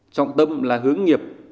trọng tâm là hướng nghiệp